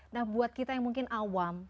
nah buat kita yang mungkin awam